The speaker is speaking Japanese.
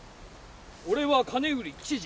俺は金売り吉次。